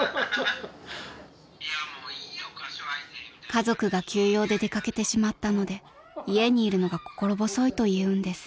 ［家族が急用で出掛けてしまったので家にいるのが心細いと言うんです］